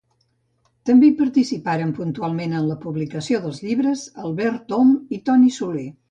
També hi participaren puntualment en la publicació dels llibres Albert Om i Toni Soler.